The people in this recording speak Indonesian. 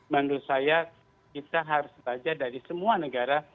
menurut saya kita harus belajar dari semua negara